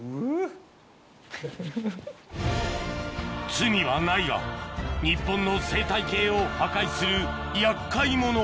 罪はないが日本の生態系を破壊する厄介者